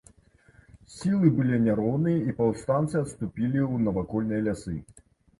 Сілы былі няроўныя, і паўстанцы адступілі ў навакольныя лясы.